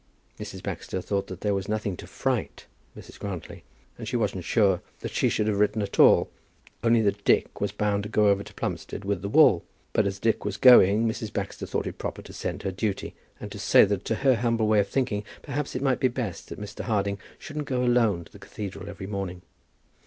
Mrs. Baxter thought that there was nothing "to fright" Mrs. Grantly, and she wasn't sure that she should have written at all only that Dick was bound to go over to Plumstead with the wool; but as Dick was going, Mrs. Baxter thought it proper to send her duty, and to say that to her humble way of thinking perhaps it might be best that Mr. Harding shouldn't go alone to the cathedral every morning.